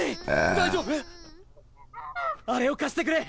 大丈夫⁉あれをかしてくれ！